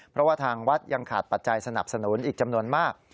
เพราะว่าทางวัดยังขาดปัจจัยสนับสนุนอีกจำนวนมาก